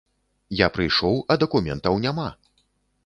Я прыйшоў, а дакументаў няма.